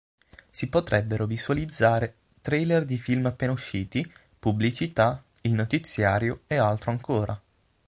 Si potrebbero visualizzare trailer di film appena usciti, pubblicità, il notiziario e altro ancora.